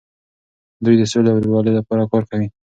دوی د سولې او ورورولۍ لپاره کار کوي.